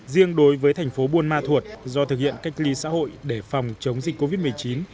riêng đối với thành phố buôn ma thuột do thực hiện cách ly xã hội để phòng chống dịch covid một mươi chín